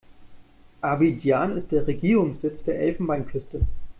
Abidjan ist der Regierungssitz der Elfenbeinküste.